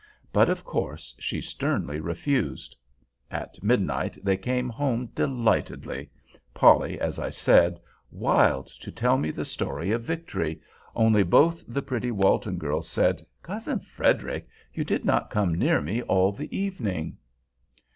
But, of course, she sternly refused. At midnight they came home delightedly: Polly, as I said, wild to tell me the story of victory; only both the pretty Walton girls said: "Cousin Frederic, you did not come near me all the evening."